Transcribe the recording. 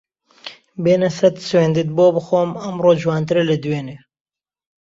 بێنە سەد سوێندت بۆ بخۆم ئەمڕۆ جوانترە لە دوێنێ